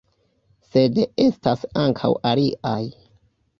Sed estas ankaŭ aliaj.